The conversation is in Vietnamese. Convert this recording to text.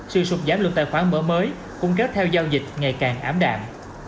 sưu sụp giảm lượng tài khoản mở mới cung kết theo giao dịch ngày càng ảm đạm